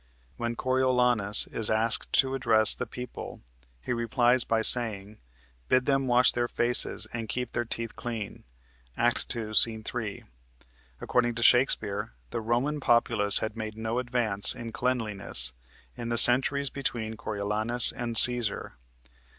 When Coriolanus is asked to address the people, he replies by saying: "Bid them wash their faces, and keep their teeth clean" (Act 2, Sc. 3). According to Shakespeare, the Roman populace had made no advance in cleanliness in the centuries between Coriolanus and Cæsar.